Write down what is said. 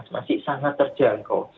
masih sangat terjangkau